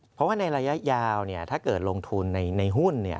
เพราะว่าในระยะยาวถ้าเกิดลงทุนในหุ้น